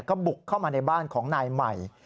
ก็บุกเข้ามาในบ้านของนายใหม่